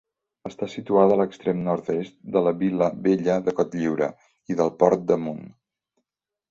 Està situada a l'extrem nord-est de la Vila vella de Cotlliure i del Port d'Amunt.